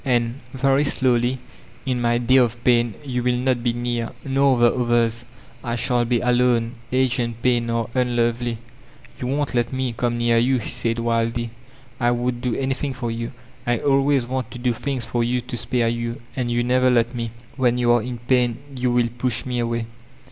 And" —very slowly — ^"in my day of pain, you will not be near, nor the others. I shall be alone; age and pain are un* tovely.'' 'You won't let me come near you," he said wildly. "I would do anything for you. I always want to dp things for you to spare you, and you never let me. When you are in pain you will push me away."